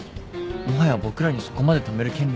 もはや僕らにそこまで止める権利は。